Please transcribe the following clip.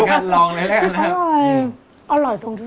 ลองเลยแน่